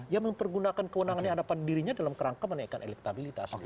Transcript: yang mempergunakan kewenangan yang ada pada dirinya dalam kerangka menaikkan elektabilitas